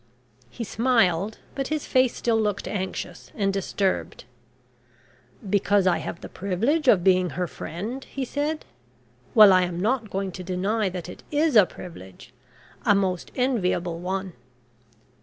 He smiled, but his face still looked anxious and disturbed. "Because I have the privilege of being her friend?" he said. "Well, I am not going to deny that it is a privilege a most enviable one."